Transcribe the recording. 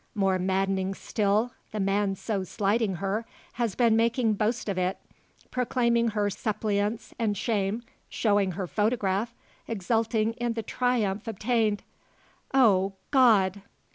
More maddening still, the man so slighting her, has been making boast of it, proclaiming her suppliance and shame, showing her photograph, exulting in the triumph obtained! "O God!"